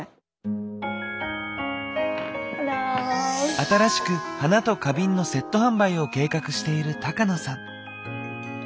新しく花と花瓶のセット販売を計画している高野さん。